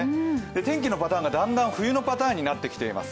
天気のパターンが冬のパターンになってきています。